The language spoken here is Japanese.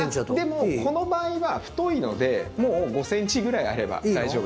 でもこの場合は太いのでもう５ｃｍぐらいあれば大丈夫です。